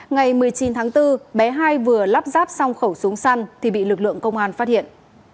ngày một mươi chín tháng bốn bé hai vừa lắp ráp xong khẩu súng săn thì bị lực lượng công an phát hiện